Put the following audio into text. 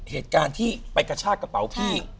เหตุการณ์ที่ไปกระชากระเป๋าพี่